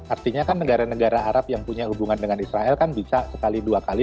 artinya kan negara negara arab yang punya hubungan dengan israel kan bisa sekali dua kali